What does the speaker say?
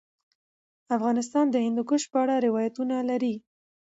افغانستان د هندوکش په اړه روایتونه لري.